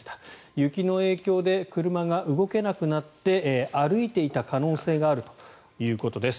雪の影響で車が動けなくなって歩いていた可能性があるということです。